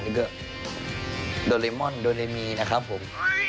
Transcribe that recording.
แล้วก็โดเรมอนโดเรมีนะครับผม